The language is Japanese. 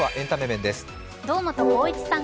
堂本光一さん